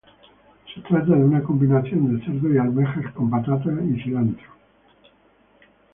Se trata de una combinación de cerdo y almejas, con patata y cilantro.